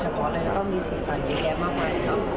เฉพาะเลยมันก็มีสีสันเยอะแยะมากมายนะครับ